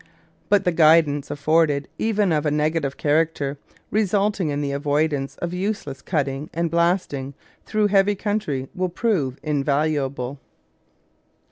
But the guidance afforded even of a negative character, resulting in the avoidance of useless cutting and blasting through heavy country, will prove invaluable.